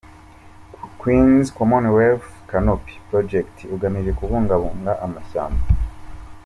Queen’s Commonwealth Canopy Projet ugamije kubungabunga amashyamba;